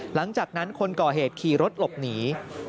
หลังจากนั้นคนก่อเหตุขี่รถหลบหนี